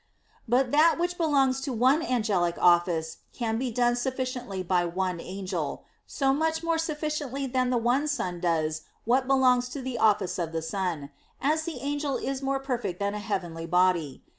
But that which belongs to one angelic office can be done sufficiently by one angel; so much more sufficiently than the one sun does what belongs to the office of the sun, as the angel is more perfect than a heavenly body.